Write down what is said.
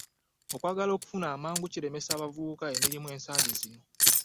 Okwagala okufuna amangu kulemesezza abavubuka emirimu ensangi zino.